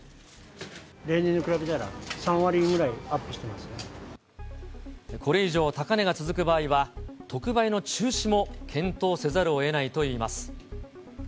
例年に比べたら、３割ぐらいこれ以上、高値が続く場合は、特売の中止も検討せざるをえないといいます。